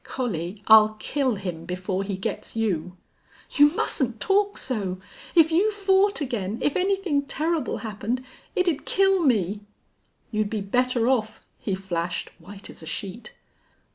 "Collie, I'll kill him before he gets you." "You mustn't talk so. If you fought again if anything terrible happened, it'd kill me." "You'd be better off!" he flashed, white as a sheet.